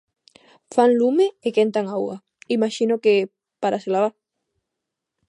Fan lume e quentan auga, imaxino que para se lavar.